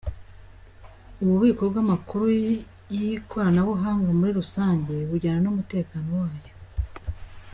Ububiko bw’amakuru y’ikoranabuhanga muri rusange bujyana n’umutekeno wayo.